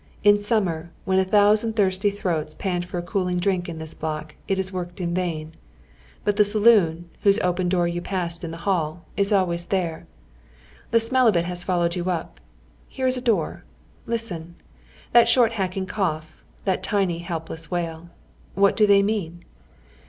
In summer, when a thousand tbii'sty tlii'oats pant for a cooling drink in this block, it is worked in vain. But the saloon, whose open door you passed in the ball, is always there. The smell of it has followed yon up. Here is a door. Listen ! That short hacking cough, that tiny, helpless wail — what do they mean?